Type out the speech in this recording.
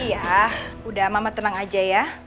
ya udah mama tenang aja ya